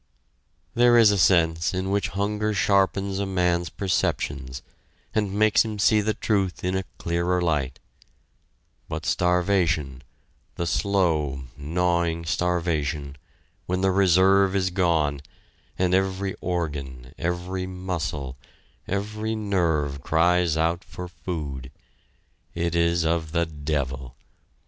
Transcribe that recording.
There is a sense in which hunger sharpens a man's perceptions, and makes him see the truth in a clearer light but starvation, the slow, gnawing starvation, when the reserve is gone, and every organ, every muscle, every nerve cries out for food it is of the devil.